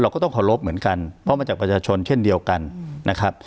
เราก็ต้องขอรบเหมือนกันเพราะว่ามาจากประชาชนเช่นเดียวกันอืมนะครับ